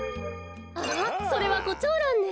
あっそれはコチョウランね。